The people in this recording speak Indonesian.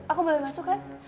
aku boleh masuk kan